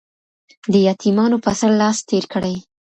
د يتيمانو په سر لاس تېر کړئ.